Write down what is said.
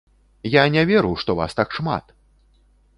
Я не веру, што вас так шмат!